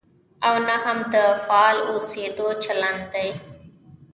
او نه هم د فعال اوسېدو چلند دی.